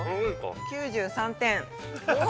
９３点。